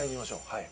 はい。